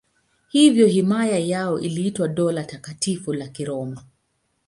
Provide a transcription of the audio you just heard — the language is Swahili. Hivyo himaya yao iliitwa Dola Takatifu la Kiroma.